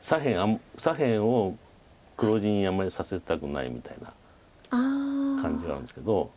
左辺を黒地にあんまりさせたくないみたいな感じなんですけど。